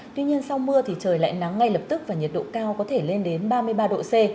tuy nhiên sau mưa thì trời lại nắng ngay lập tức và nhiệt độ cao có thể lên đến ba mươi ba độ c